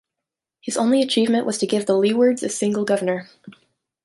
His only achievement was to give the Leewards a single Governor.